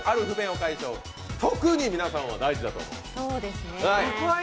特に皆さんは大事だと思います。